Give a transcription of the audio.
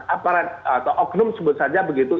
aparat atau oknum sebut saja begitu